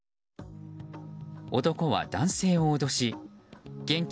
男は男性を脅し現金